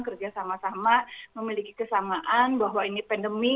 kerja sama sama memiliki kesamaan bahwa ini pandemi